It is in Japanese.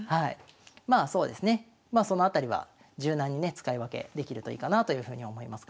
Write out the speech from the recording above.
まあそうですねまあその辺りは柔軟にね使い分けできるといいかなあというふうに思いますかね。